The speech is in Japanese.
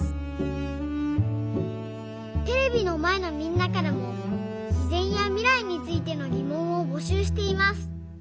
テレビのまえのみんなからもしぜんやみらいについてのぎもんをぼしゅうしています。